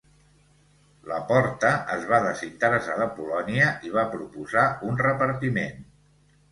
La Porta es va desinteressar de Polònia i va proposar un repartiment.